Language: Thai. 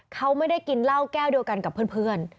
เขาไม่ได้กินเหล้าแก้วเดียวกันกับเพื่อน